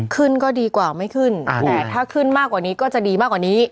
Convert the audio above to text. ขึ้นก็ดีกว่าไม่ขึ้นแต่ถ้าขึ้นมากกว่านี้ก็จะดีมากกว่านี้